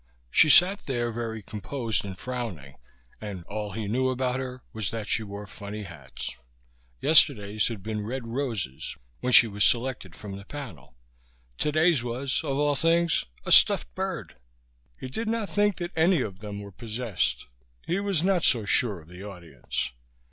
She sat there very composed and frowning, and all he knew about her was that she wore funny hats. Yesterday's had been red roses when she was selected from the panel; today's was, of all things, a stuffed bird. He did not think that any of them were possessed. He was not so sure of the audience.